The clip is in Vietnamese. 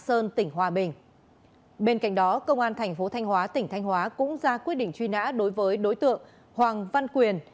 tại hiện đó công an thành phố thanh hóa tỉnh thanh hóa cũng ra quyết định truy nã đối với đối tượng hoàng văn quyền